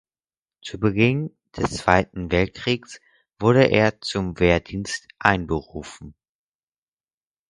Zu Beginn des Zweiten Weltkriegs wurde er zum Wehrdienst einberufen.